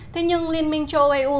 thế nhưng liên minh châu âu eu